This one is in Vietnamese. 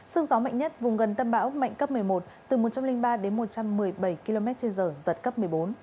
sức gió mạnh nhất vùng gần tâm bão mạnh cấp một mươi một từ một trăm linh ba đến một trăm một mươi bảy km trên giờ giật cấp một mươi bốn